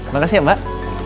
makasih ya mbak